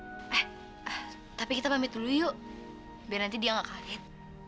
eh tapi kita pamit dulu yuk biar nanti dia gak kaget